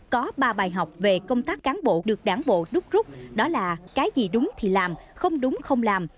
có ba bài học về công tác cán bộ được đảng bộ đúc rút đó là cái gì đúng thì làm không đúng không làm